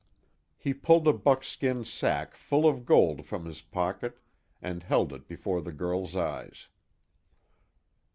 He pulled a buckskin sack full of gold from his pocket and held it before the girl's eyes.